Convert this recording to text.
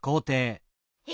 え！